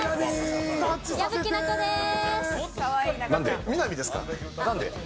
矢吹奈子です。